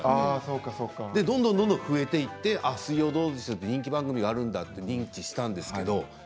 それがどんどん増えていって「水曜どうでしょう」っていう人気番組があるんだって認知したんですけど。